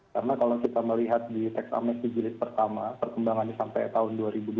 karena kalau kita melihat di tax amnesty gilid pertama perkembangannya sampai tahun dua ribu dua puluh